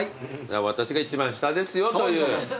「私が一番下ですよ」という。